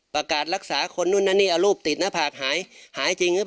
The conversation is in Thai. ประกาศรักษาคนนู่นนั่นนี่แล้วลูกติดทางผากหายต่ำหายจริง